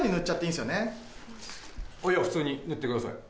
いや普通に塗ってください。